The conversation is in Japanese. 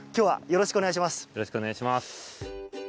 よろしくお願いします。